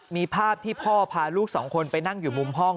มีภาพที่พ่อพาลูกสองคนไปนั่งอยู่มุมห้อง